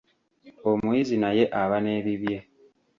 Omuyizi naye aba n'ebibye.